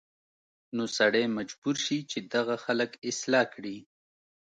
نو سړی مجبور شي چې دغه خلک اصلاح کړي